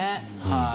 はい。